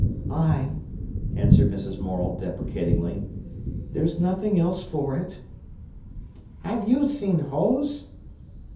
"Ay," answered Mrs. Morel deprecatingly. "There's nothing else for it." "Have you seen Hose?"